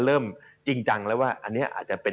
เริ่มจริงจังว่าอันนี้อาจจะเป็น